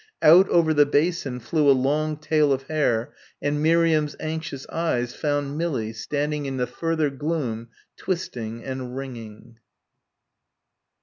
Out over the basin flew a long tail of hair and Miriam's anxious eyes found Millie standing in the further gloom twisting and wringing.